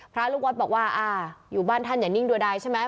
พระลูกวัดบอกว่าอ่าอยู่บ้านท่านอย่านิ่งดัวดายใช่ไหม